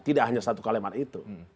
tidak hanya satu kalimat itu